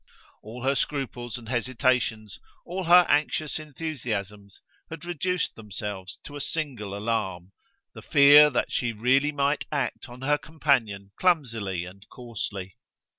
All her scruples and hesitations, all her anxious enthusiasms, had reduced themselves to a single alarm the fear that she really might act on her companion clumsily and coarsely.